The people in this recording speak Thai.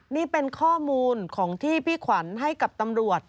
นี่เป็นข้อมูลของที่พี่ขวัญให้กับตำรวจ